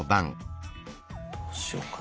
どうしようかな？